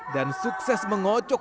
dan sukses mengocok